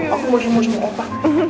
aku masih mau sama opa